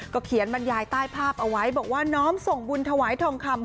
เขียนบรรยายใต้ภาพเอาไว้บอกว่าน้อมส่งบุญถวายทองคำ